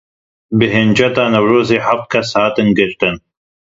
Bi hinceta Newrozê heftê kes hatin girtin.